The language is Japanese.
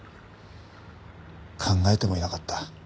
考えてもいなかった。